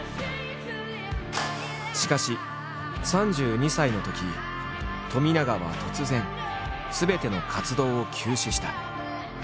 しかし３２歳のとき冨永は突然すべての活動を休止した。